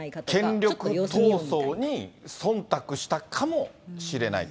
権力闘争にそんたくしたかもしれないと。